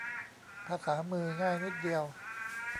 ภาษามือ ง่ายนิดเดียว